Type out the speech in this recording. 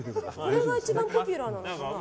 これが一番ポピュラーなのかな。